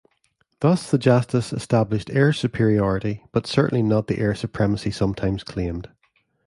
Thus the "Jastas" established "air superiority", but certainly not the air supremacy sometimes claimed.